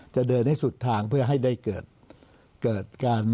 จะเดินให้สุดทางเพื่อให้ได้เกิดการ